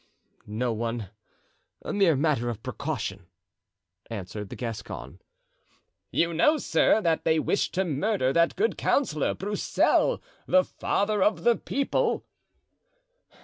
"No one; a mere matter of precaution," answered the Gascon. "You know, sir, that they wished to murder that good councillor, Broussel, the father of the people?"